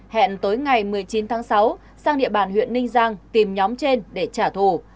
hẹn tối ngày một mươi chín tháng sáu sang địa bàn huyện ninh giang tìm nhóm trên để trả thù